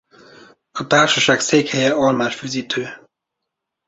A társaság székhelye Almásfüzitő.